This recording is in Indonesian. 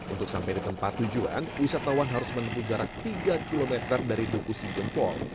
untuk sampai di tempat tujuan wisatawan harus menempuh jarak tiga km dari dukuh sigempol